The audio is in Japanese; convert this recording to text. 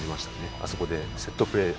あそこでセットプレー。